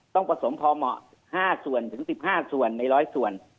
ผสมพอเหมาะ๕ส่วนถึง๑๕ส่วนใน๑๐๐ส่วน